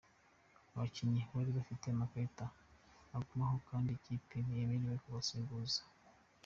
Abakinnyi bari bafite amakarita agumaho kandi ikipe ntiyemerewe kubasimbuza.